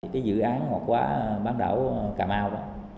cái dự án hoặc quá bán đảo cà mau